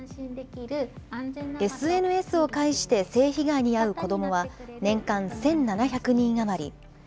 ＳＮＳを介して性被害に遭う子どもは、年間１７００人余り。